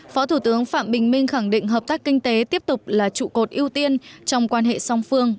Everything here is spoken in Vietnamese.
phó thủ tướng phạm bình minh khẳng định hợp tác kinh tế tiếp tục là trụ cột ưu tiên trong quan hệ song phương